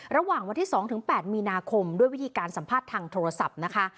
ระหว่างวันที่๒๘มีนาคมด้วยวิธีการสัมภาษณ์ทางโทรศัพท์นะคะ